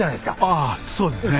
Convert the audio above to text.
ああそうですね。